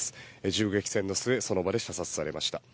銃撃戦の末その場で射殺されました。